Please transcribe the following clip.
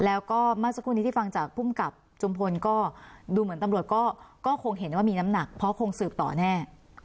แล้วก็เมื่อสักครู่นี้ที่ฟังจากภูมิกับจุมพลก็ดูเหมือนตำรวจก็คงเห็นว่ามีน้ำหนักเพราะคงสืบต่อแน่